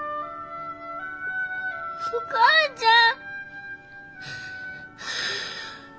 お母ちゃん。